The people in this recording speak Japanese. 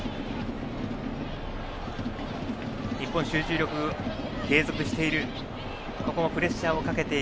日本、集中力継続している。